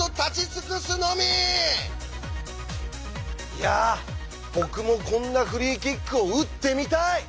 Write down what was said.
いや僕もこんなフリーキックを打ってみたい。